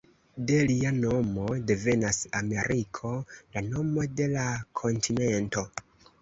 De lia nomo devenas Ameriko, la nomo de la kontinento.